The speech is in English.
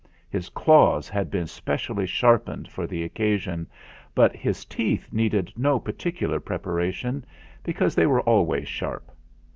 His claws had been specially sharpened for the 306 THE FIGHT 307 occasion, but his teeth needed no particular preparation, because they were always sharp.